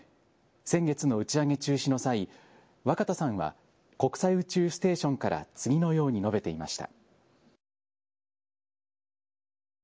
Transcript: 先月の打ち上げ中止の際、若田さんは国際宇宙ステーションから次のように述べていました。